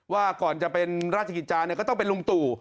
ว่าก่อนจะเป็นราชกิจจาเนี่ยก็ต้องเป็นลุงตู่